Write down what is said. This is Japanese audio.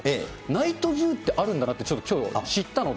ナイトズーってあるんだなって、きょう、知ったので。